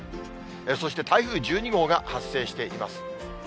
そして、台風１２号が発生しています。